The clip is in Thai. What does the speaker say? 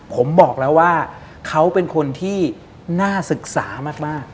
ผมบอกแล้วว่าเขาเป็นคนที่น่าศึกษามาก